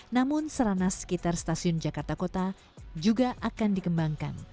namun serana sekitar stasiun jakarta kota juga akan dikembangkan